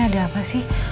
sebenarnya ada apa sih